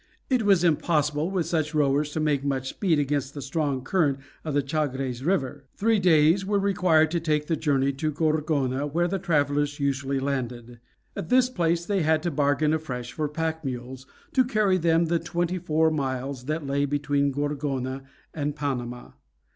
It was impossible with such rowers to make much speed against the strong current of the Chagres River. Three days were required to make the journey to Gorgona, where the travelers usually landed. At this place they had to bargain afresh for pack mules to carry them the twenty four miles that lay between Gorgona and Panama.